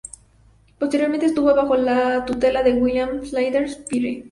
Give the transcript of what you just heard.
Posteriormente estuvo bajo la tutela de William Flinders Petrie.